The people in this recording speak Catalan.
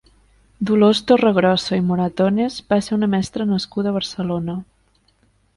Dolors Torregrossa i Moratones va ser una mestra nascuda a Barcelona.